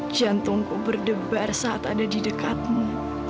jantungku berdebar saat ada di dekatmu